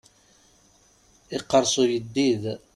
Iqqers uyeddid.